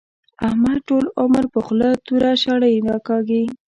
احمد ټول عمر پر خوله توره شړۍ راکاږي.